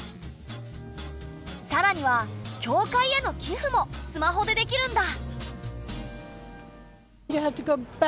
さらには教会への寄付もスマホでできるんだ。